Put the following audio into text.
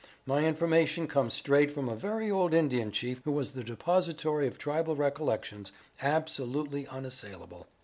My information comes straight from a very old Indian chief who was the depository of tribal recollections absolutely unassailable.